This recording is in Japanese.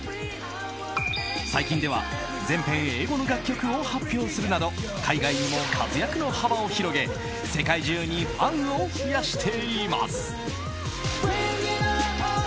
最近では全編英語の楽曲を発表するなど海外にも活躍の幅を広げ世界中にファンを増やしています。